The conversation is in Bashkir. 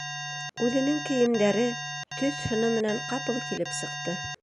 Үҙенең кейемдәре, төҫ- һыны менән ҡапыл килеп сыҡты.